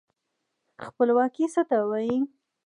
خپلواکي څه ته وايي.